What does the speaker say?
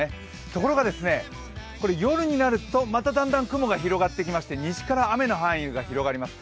ところが、夜になるとまただんだん雲が広がってきまして西から雨の範囲が広がります。